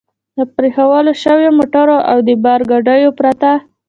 د پرېښوول شوو موټرو او د بار ګاډیو پرته.